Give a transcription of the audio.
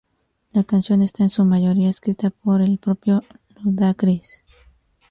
La canción está en su mayoría escrita por el propio Ludacris.